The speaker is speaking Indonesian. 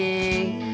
ouch kagetnya gua